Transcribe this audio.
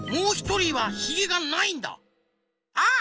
あっ！